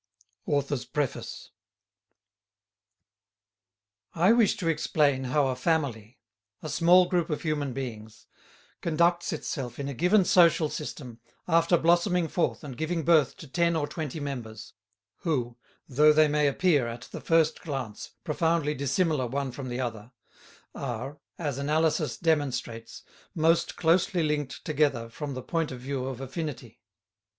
AUTHOR'S PREFACE I wish to explain how a family, a small group of human beings, conducts itself in a given social system after blossoming forth and giving birth to ten or twenty members, who, though they may appear, at the first glance, profoundly dissimilar one from the other, are, as analysis demonstrates, most closely linked together from the point of view of affinity.